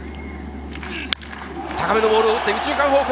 高めのボールを打って右中間方向。